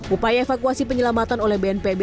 upaya evakuasi penyelamatan oleh bnpb